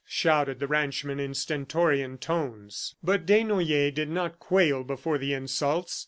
shouted the ranchman in stentorian tones. But Desnoyers did not quail before the insults.